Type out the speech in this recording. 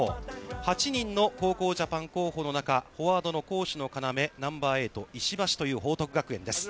８人の高校ジャパン候補の中、フォワードの攻守の要、ナンバーエイト石橋という報徳学園です。